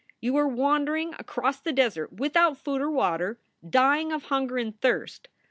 You are wandering across the desert without food or water, dying of hunger and thirst.